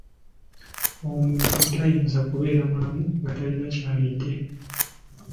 Omuntu tayinza kubeera mulamu nga talina ky'alidde.